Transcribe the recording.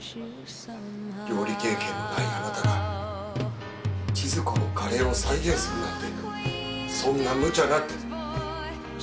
料理経験もないあなたが千鶴子のカレーを再現するなんてそんなむちゃなって。